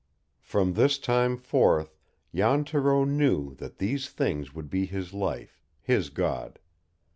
From this time forth Jan Thoreau knew that these things would be his life, his god.